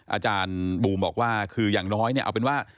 อาจารย์บูมบอกว่าคืออย่างน้อยเนี่ยเอาเป็นว่า